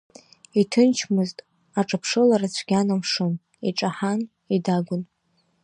Иҭынчмызт, аҿаԥшылара цәгьан амшын, иҿаҳан, идагәан.